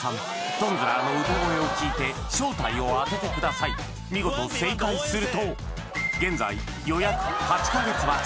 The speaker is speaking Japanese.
トンズラーの歌声を聴いて正体を当ててださい見事正解すると現在予約８カ月待ち